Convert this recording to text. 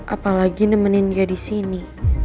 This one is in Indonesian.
apalagi nemenin dia di sini